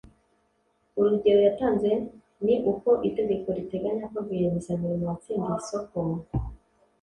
urugero yatanze ni uko itegeko riteganya ko rwiyemezamirimo watsindiye isoko